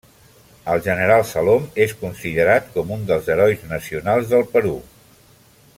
El general Salom és considerat com un dels herois nacionals del Perú.